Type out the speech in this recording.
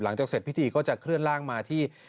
หลังจากเสร็จพิธีก็จะเคลื่อนล่างมาที่